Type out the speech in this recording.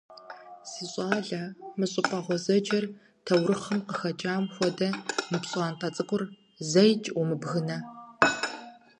Си щӀалэ, мы щӀыпӀэ гъуэзэджэр, таурыхъым къыхэкӀам хуэдэ мы пщӀантӀэ цӀыкӀур зэикӀ умыбгынэ.